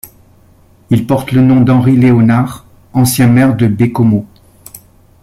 Il porte le nom d'Henry Leonard, ancien maire de Baie-Comeau.